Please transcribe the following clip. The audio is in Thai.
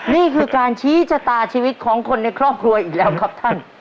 นี่คือการชี้ชะตาชีวิตของคนในครอบครัวอีกแล้วครับท่าน